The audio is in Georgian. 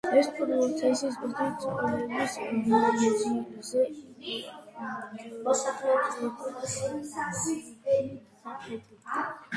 ეს პროცესი წლების მანძილზე გრძელდებოდა.